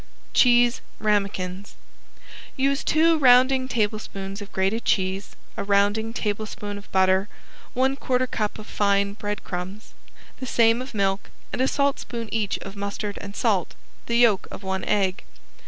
~CHEESE RAMEKINS~ Use two rounding tablespoons of grated cheese, a rounding tablespoon of butter, one quarter cup of fine breadcrumbs, the same of milk, and a saltspoon each of mustard and salt, the yolk of one egg.